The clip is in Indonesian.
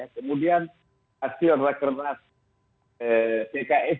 kemudian hasil rekenas pks